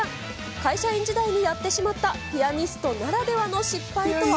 会社員時代にやってしまった、ピアニストならではの失敗とは。